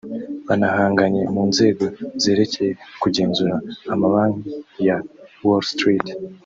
Banahanganye mu nzego zerekeye kugenzura amabanki ya Wall Street